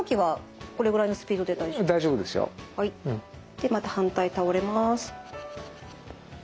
でまた反対倒れます。